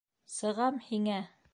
Сығам һиңә!